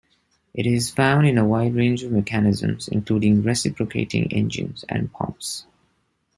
It is found in a wide range of mechanisms, including reciprocating engines and pumps.